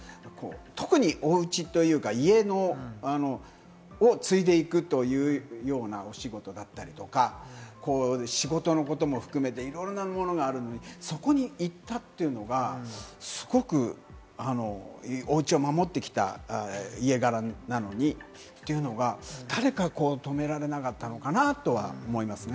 特にお家というか、家を継いでいくというようなお仕事だったりとか、仕事のことも含めて、いろいろなものがあるのに、そこに行ったというのがすごくおうちを守ってきた家柄なのにというのが誰か止められなかったのかな？とは思いますね。